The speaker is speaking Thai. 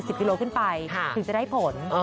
กิโลขึ้นไปถึงจะได้ผล